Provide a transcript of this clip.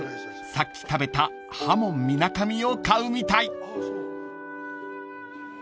さっき食べたはもんみなかみを買うみたい］